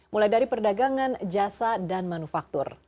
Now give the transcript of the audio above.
mulai dari perdagangan jasa dan manufaktur